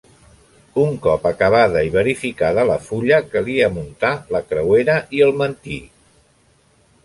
Un cop acabada i verificada la fulla calia muntar la creuera i el mantí.